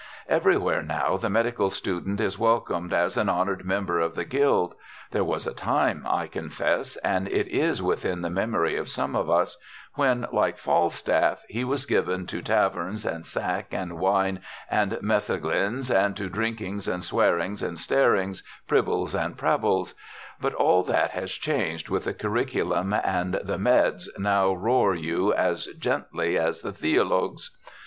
Everywhere now the medical student is welcomed as an honored member of the guild. There was a time, I confess, and it is within the memory of some of us, when, like Falstaff, he was given to "taverns and sack and wine and metheglins, and to drinkings and swearings and starings, pribbles and prabbles"; but all that has changed with the curriculum, and the "Meds" now roar you as gently as the "Theologs."